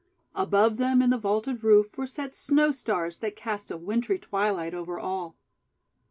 Above them in the vaulted roof were set Snow Stars that cast a wintry twilight over all.